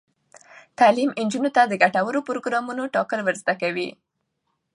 تعلیم نجونو ته د ګټورو پروګرامونو ټاکل ور زده کوي.